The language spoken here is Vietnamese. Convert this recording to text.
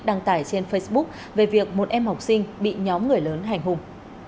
đăng tải trên facebook về việc một em học sinh bị nhóm người lớn hành hung